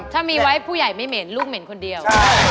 ถ้ามีไว้ผู้ใหญ่ไม่เหม็นลูกเหม็นคนเดียว